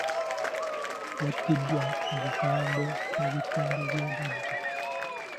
Yattiddwa mu bukambwe mu bitundu bye Bajjo.